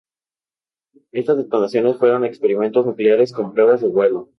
Estas detonaciones fueron experimentos nucleares con pruebas de vuelo.